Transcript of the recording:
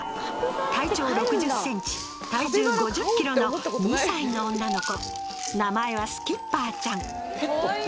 体長６０センチ体重５０キロの２歳の女の子名前はスキッパーちゃん。